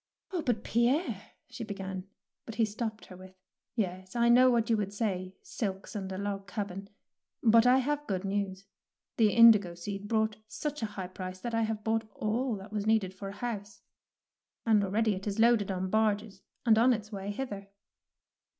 " Oh, but, Pierre," she began ; but he stopped her with, —" Yes, I know what you would say, silks and a log cabin. But I have good news. The indigo seed brought such a high price that I have bought all that was needful for a house, and 173 DEEDS OF DAKING already it is loaded on barges and on its way hither.